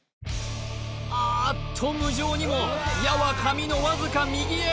あっと無情にも矢は紙のわずか右へ